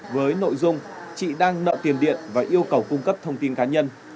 với nội dung chị đang nợ tiền điện và yêu cầu cung cấp thông tin cá nhân